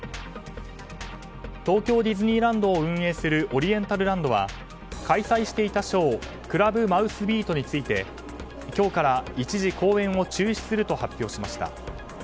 東京ディズニーランドを運営するオリエンタルランドは開催していたショークラブマウスビートについて今日から一時公演を中止すると発表しました。